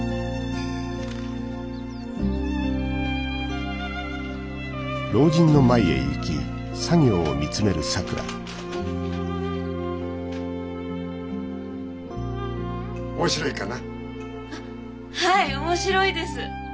はい面白いです。